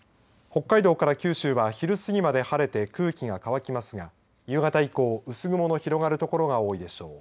北海道から九州は昼すぎまで晴れて空気が乾きますが夕方以降、薄雲の広がる所が多いでしょう。